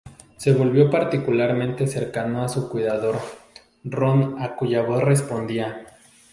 Se volvió particularmente cercano a su cuidador, Ron, a cuya voz respondía.